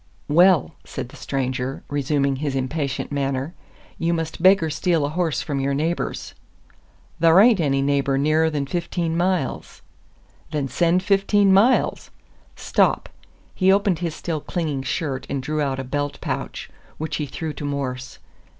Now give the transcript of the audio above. "Well," said the stranger, resuming his impatient manner, "you must beg or steal a horse from your neighbors." "Thar ain't any neighbor nearer than fifteen miles." "Then send fifteen miles! Stop." He opened his still clinging shirt and drew out a belt pouch, which he threw to Morse.